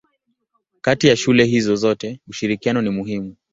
Kati ya shule hizo zote ushirikiano ni muhimu.